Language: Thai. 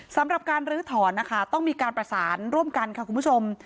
สำหรับการลื้อถอนนะคะต้องมีการประสานร่วมกันค่ะคุณผู้ชม